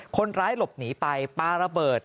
คนร้ายหลบหนีไปปลาระเบิด